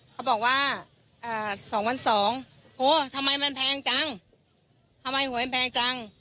เขาบอกว่าอ่าสองพันสองโอ้ทำไมมันแพงจังทำไมหวยมันแพงจัง